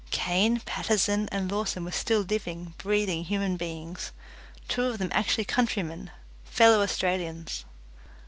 Caine, Paterson, and Lawson were still living, breathing human beings two of them actually countrymen, fellow Australians!